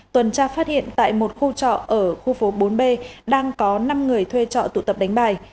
tuần tra phát hiện tại một khu trọ ở khu phố bốn b đang có năm người thuê trọ tụ tập đánh bài